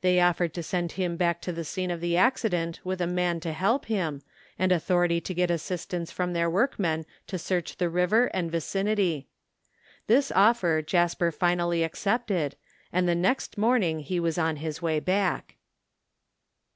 They offered to send him back to the scene of the accident with a man to help him, and authority to get assistance from their workmen to search the river and vicinity. This offer Jasper finally accepted and the next morning was on his way back.